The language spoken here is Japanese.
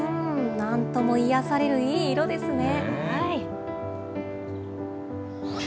なんとも癒やされるいい色ですね。